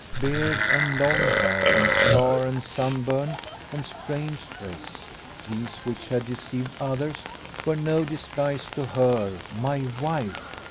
Beard and long hair, and scar and sunburn, and strange dress these which had deceived others were no disguise to her my wife.